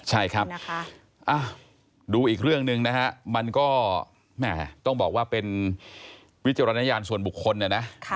ใช่ครับดูอีกเรื่องหนึ่งนะฮะมันก็ต้องบอกว่าเป็นวิจารณญาณส่วนบุคคลนะนะ